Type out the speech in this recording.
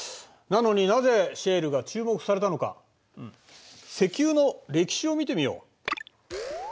なのになぜシェールが注目されたのか石油の歴史を見てみよう。